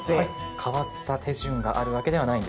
変わった手順があるわけではないんですね。